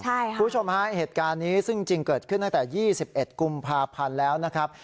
คุณผู้ชมฮะเหตุการณ์นี้ซึ่งจริงเกิดขึ้นตั้งแต่๒๑กุมภาพันธ์แล้วนะครับ